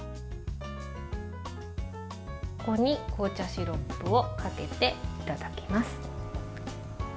ここに紅茶シロップをかけていただきます。